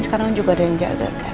sekarang juga ada yang jaga kan